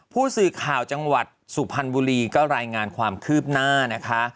ผู้สื่อข่าวจังหวัดสุพรรณบุรีก็รายงานความคืบหน้านะคะ